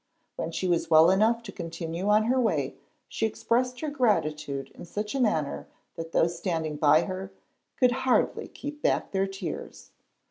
When she was well enough to continue on her way _ She expressed her gratitude in such a manner that those standing by her "could hardly keep back their tears.